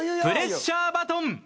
プレッシャーバトン。